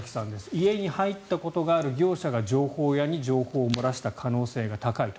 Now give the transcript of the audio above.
家に入ったことがある業者が情報屋に情報を漏らした可能性が高いと。